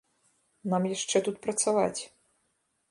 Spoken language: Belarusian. Нам яшчэ тут працаваць.